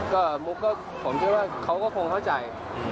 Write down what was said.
ก็มุกก็ผมคิดว่าเขาก็คงเข้าใจ